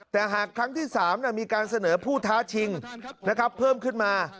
แต่หากครั้งที่๓มีการเสนอผู้ท้าชิงเพิ่มขึ้นมา